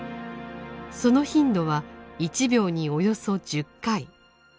その頻度は１秒におよそ１０回。